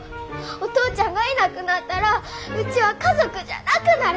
お父ちゃんがいなくなったらうちは家族じゃなくなるさぁ！